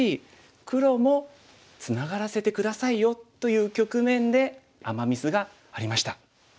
黒も「ツナがらせて下さいよ」という局面でアマ・ミスがありました。